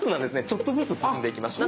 ちょっとずつ進んでいきます。